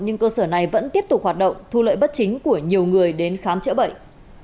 nhưng cơ sở này vẫn tiếp tục hoạt động thu lợi bất chính của nhiều người đến khám chữa bệnh